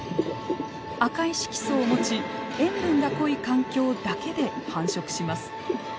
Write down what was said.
赤い色素を持ち塩分が濃い環境だけで繁殖します。